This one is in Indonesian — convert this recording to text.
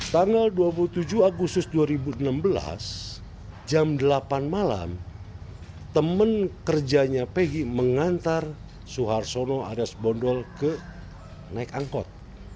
tanggal dua puluh tujuh agustus dua ribu enam belas jam delapan malam teman kerjanya pegi mengantar suhartono alias bondol ke naik angkot